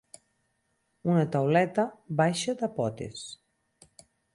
Una tauleta baixa de potes.